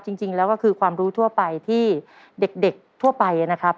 จริงแล้วก็คือความรู้ทั่วไปที่เด็กทั่วไปนะครับ